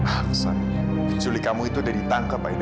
aksan menculik kamu itu sudah ditangkap aida